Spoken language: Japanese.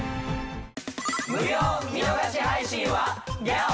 無料見逃し配信はＧＹＡＯ！